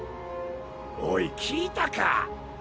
おい聞いたか？